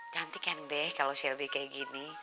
cantik kan be kalau sylvia kayak gini